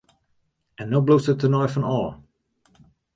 En no bliuwst der tenei fan ôf!